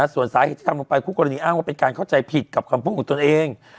ส่วนสาเหตุที่ทำลงไปคู่กรณีอ้างว่าเป็นการเข้าใจผิดกับคำพูดของตนเอง